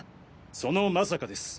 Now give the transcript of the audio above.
そのまさかです。